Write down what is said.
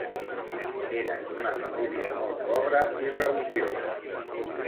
Eren una família molt pobra i religiosa.